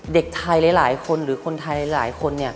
เด็กไทยหลายคนหรือคนไทยหลายคนเนี่ย